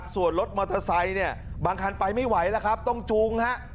ส่วนรถมอเตอร์ไซค์เนี่ยบางคันไปไม่ไหวแล้วครับต้องจูงฮะ